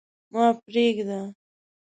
ما پرېږده.